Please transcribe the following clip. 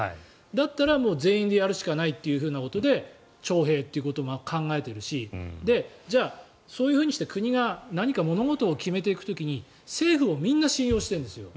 だったらもう、全員でやるしかないというふうなことで徴兵と考えているしじゃあ、そういうふうにして国が何か物事を決めていく時に政府をみんな信用しているんですよ。